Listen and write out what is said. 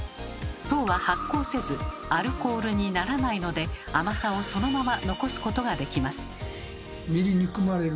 糖は発酵せずアルコールにならないので甘さをそのまま残すことができます。